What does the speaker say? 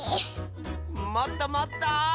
もっともっと！